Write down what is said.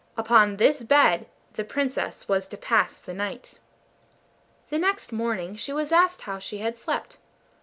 Upon this bed the Princess was to pass the night. The next morning she was asked how she had slept.